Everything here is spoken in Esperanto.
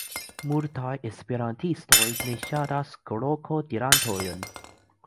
Multaj esperantistoj ne ŝatas krokodilantojn.